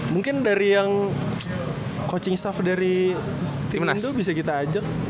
mungkin dari yang coaching staff dari timnas itu bisa kita ajak